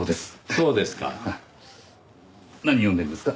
そうですか。